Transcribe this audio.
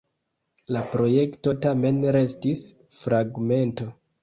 La projekto tamen restis fragmento.